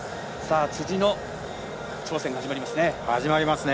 辻の挑戦、始まりますね。